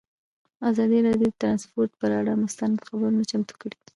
ازادي راډیو د ترانسپورټ پر اړه مستند خپرونه چمتو کړې.